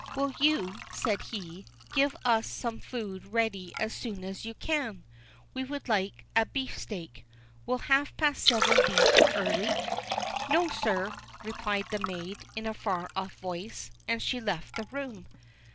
"Will you," said he, "get us some food ready as soon as you can? We would like a beef steak. Will half past seven be too early?" "No, sir," replied the maid, in a far off voice; and she left the room.